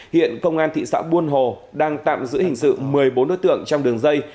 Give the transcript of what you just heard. hiện công an thị xã buôn hồ đang tạm giữ hình sự một mươi bốn đối tượng trong đường dây